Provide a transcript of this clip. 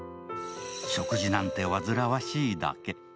食事なんて煩わしいだけ。